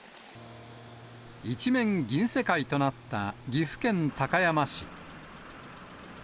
一面銀世界となった岐阜県高山市。